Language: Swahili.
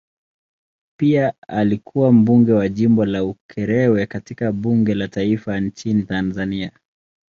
Pia alikuwa mbunge wa jimbo la Ukerewe katika bunge la taifa nchini Tanzania.